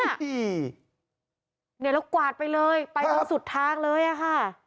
เนี่ยแล้วกวาดไปเลยไปจนสุดทางเลยอะค่ะ